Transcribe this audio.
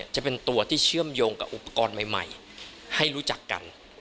จะเป็นตัวที่เชื่อมโยงกับอุปกรณ์ใหม่ให้รู้จักกัน